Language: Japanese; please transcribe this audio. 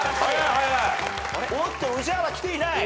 おっと宇治原きていない。